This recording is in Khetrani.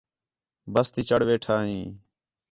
بس تی چڑھ ویٹھا ہیں